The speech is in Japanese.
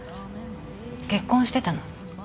結婚してたの？